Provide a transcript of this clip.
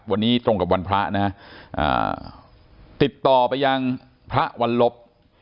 วันนี้ตรงกับวันพระนะฮะติดต่อไปยังพระวันลบ